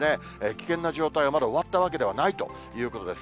危険な状態はまだ終わったわけではないということです。